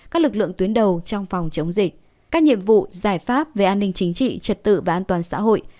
các lực lượng tuyến đầu trong phòng chống dịch các nhiệm vụ giải pháp về an ninh chính trị trật tự và an toàn xã hội